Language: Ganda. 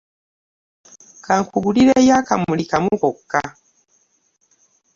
Ka nkugulireyo akamuli kamu kokka.